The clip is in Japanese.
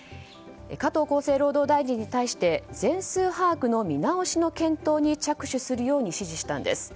加藤厚生労働大臣に対して全数把握の見直しの検討に着手するように指示したんです。